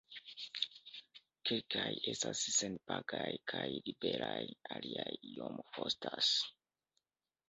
Kelkaj estas senpagaj kaj liberaj, aliaj iom kostas.